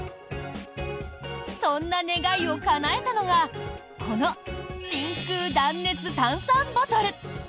そんな願いをかなえたのがこの真空断熱炭酸ボトル。